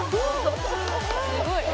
すごい。